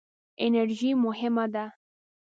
انرژي مهمه ده.